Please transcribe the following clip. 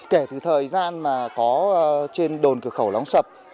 kể từ thời gian mà có trên đồn cửa khẩu lóng sập